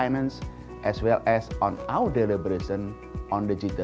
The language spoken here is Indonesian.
dan juga dalam pengurusan ekonomi digital